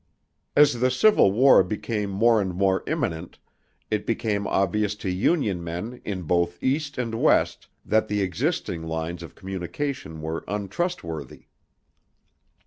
As the Civil War became more and more imminent, it became obvious to Union men in both East and West that the existing lines of communication were untrustworthy.